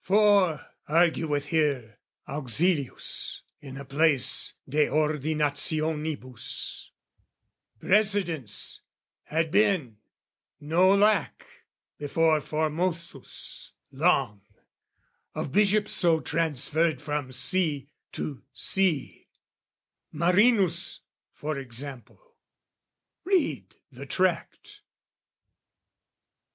"'For,' argueth here Auxilius in a place "De Ordinationibus, 'precedents "'Had been, no lack, before Formosus long, "'Of Bishops so transferred from see to see, "'Marinus, for example': read the tract.